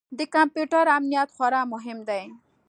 د کمپیوټر امنیت خورا مهم دی.